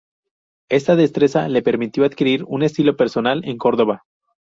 Esta destreza le permitió adquirir un estilo personal en Córdoba.